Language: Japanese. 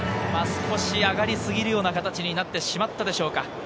少し上がりすぎるような形になったでしょうか。